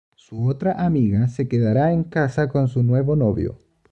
Su otra amiga, se quedará en casa con su nuevo novio.